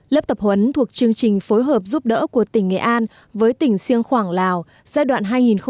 lớp tập huấn thuộc chương trình phối hợp giúp đỡ của tỉnh nghệ an với tỉnh siêng khoảng lào giai đoạn hai nghìn một mươi tám hai nghìn hai mươi